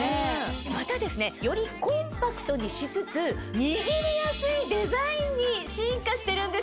またよりコンパクトにしつつ握りやすいデザインに進化してるんですよ。